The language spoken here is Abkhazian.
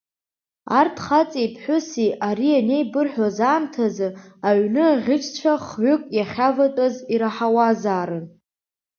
Арҭ хаҵеи ԥҳәыси ари анеибырҳәоз аамҭазы аҩны аӷьычцәа хҩык иахьаватәаз ираҳауазаарын.